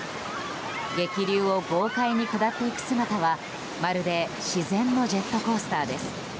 激流を豪快に下っていく姿はまるで自然のジェットコースターです。